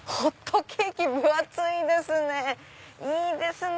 ホットケーキ分厚いですねいいですね！